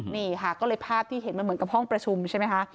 นี่ค่ะก็เลยภาพที่เห็นมันเหมือนกับห้องประชุมใช่ไหมคะ